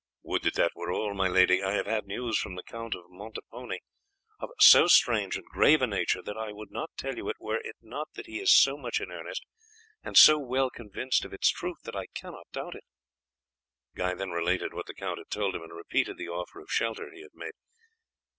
"Would that that were all, my lady. I have had news from the Count of Montepone of so strange and grave a nature that I would not tell you it, were it not that he is so much in earnest, and so well convinced of its truth that I cannot doubt it." He then related what the count had told him, and repeated the offer of shelter he had made.